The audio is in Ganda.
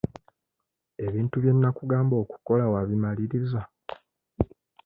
Ebintu bye nnakugamba okukola wabimaliriza?